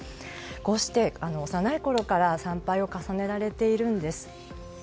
こうして幼いころから参拝を重ねられているんです。